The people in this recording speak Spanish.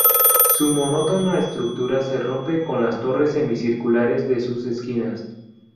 Su monótona estructura se rompe con las torres semicirculares de sus esquinas.